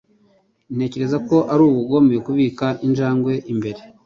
Ntekereza ko ari ubugome kubika injangwe imbere.